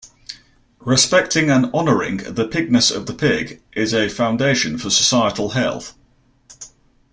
Respecting and honoring the pigness of the pig is a foundation for societal health.